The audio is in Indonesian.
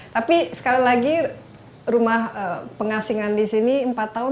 tapi sekali lagi rumah pengasingan di sini empat tahun